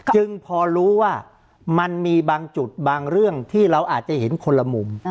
จึงพอรู้ว่ามันมีบางจุดบางเรื่องที่เราอาจจะเห็นคนละมุม